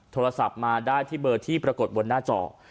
โทรศัพท์มาได้ที่เบอร์ที่ปรากฏบนหน้าจอ